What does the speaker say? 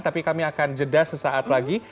tapi kami akan jeda sesaat lagi